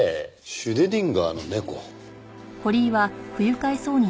シュレディンガーの猫？